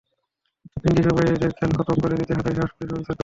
ভিনদেশি অপরাধীদের খেল খতম করে দিতে হাজির সাহসী পুলিশ অফিসার অনন্ত।